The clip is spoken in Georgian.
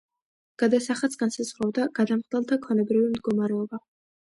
გადასახადს განსაზღვრავდა გადამხდელთა ქონებრივი მდგომარეობა.